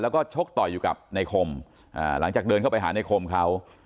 แล้วก็ชกต่อยอยู่กับในคมหลังจากเดินเข้าไปหาในคมเขา